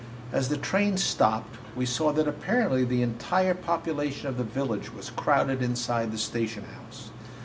As the train stopped, we saw that apparently the entire population of the village was crowded inside the station house.